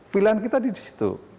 pilihan kita di situ